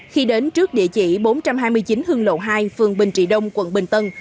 khi đến trước địa chỉ bốn trăm hai mươi chín hương lộ hai phường bình trị đông quận bình tân